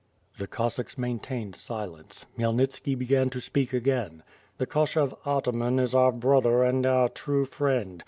The Cossacks maintained silence. Khmyelnitski began to speak again. "The Koshov Ataman is our brother and our true friend.